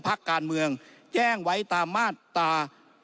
พักการเมืองแจ้งไว้ตามมาตรา